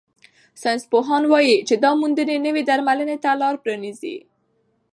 ساینسپوهان وايي چې دا موندنې نوې درملنې ته لار پرانیزي.